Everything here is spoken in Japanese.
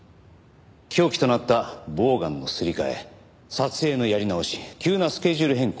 凶器となったボウガンのすり替え撮影のやり直し急なスケジュール変更。